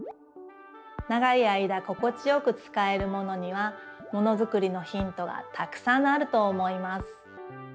長い間心地よくつかえるものにはものづくりのヒントがたくさんあると思います。